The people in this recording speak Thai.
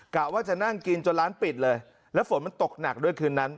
กะว่าจะนั่งกินจนร้านปิดเลยแล้วฝนมันตกหนักด้วยคืนนั้น